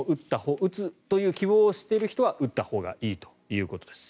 打つという希望をしている人は打ったほうがいいということです。